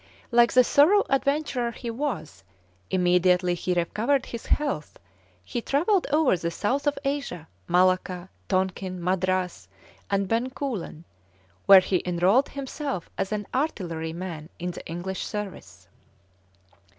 Like the thorough adventurer he was, immediately he recovered his health he travelled over the south of Asia, Malacca, Tonkin, Madras, and Bencoolen, where he enrolled himself as an artilleryman in the English service.